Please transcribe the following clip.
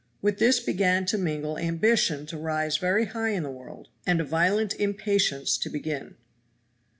With this began to mingle ambition to rise very high in the world, and a violent impatience to begin.